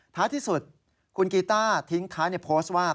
ท้ายที่สุดคุณกีต้าทิ้งท้ายในโพสต์ว่า